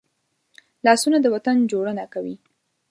لاسونه د وطن جوړونه کوي